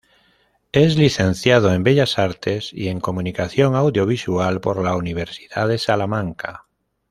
Es licenciado en Bellas Artes y en Comunicación Audiovisual por la Universidad de Salamanca.